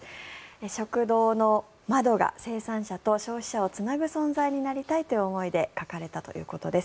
食堂のまどが生産者と消費者をつなぐ存在になりたいということで描かれたということです。